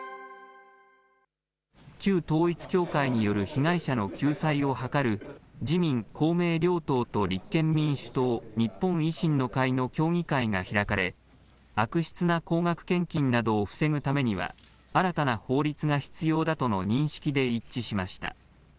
旧統一教会による被害者の救済を図る自民、公明両党と立憲民主党、日本維新の会の協議会が開かれ、悪質な高額献金などを防ぐためには、新たな法律が必要だとの認識で一致しました。